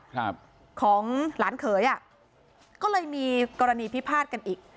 ครับของหลานเขยอ่ะก็เลยมีกรณีพิพาทกันอีก